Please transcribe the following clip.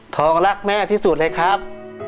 รักแม่ที่สุดเลยครับ